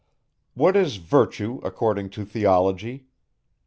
What is virtue according to theology?